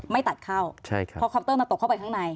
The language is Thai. ไม่ตัดเข้าเพราะคอปเตอร์มันตกเข้าไปข้างใน